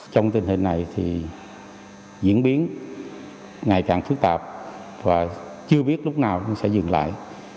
trong tình hình này thì diễn biến ngày càng phức tạp và chưa biết lúc nào cũng sẽ dừng lại